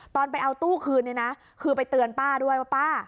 ตอนไปเอาตู้คืนเนี่ยนะคือไปเตือนป้าด้วยว่าป้า